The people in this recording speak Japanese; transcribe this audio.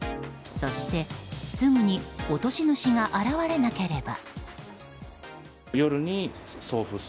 そして、すぐに落とし主が現れなければ。